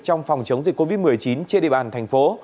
trong phòng chống dịch covid một mươi chín trên địa bàn thành phố